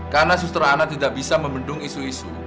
karena suster ana tidak bisa membendung isu isu